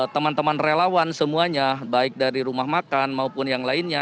teman teman relawan semuanya baik dari rumah makan maupun yang lainnya